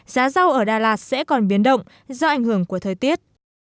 giá rau ở đà lạt sẽ còn biến động do ảnh hưởng của thời tiết